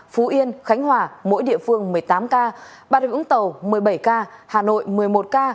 phú yên khánh hòa mỗi địa phương một mươi tám ca bà rịa vũng tàu một mươi bảy ca hà nội một mươi một ca